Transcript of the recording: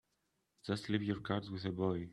Just leave your card with the boy.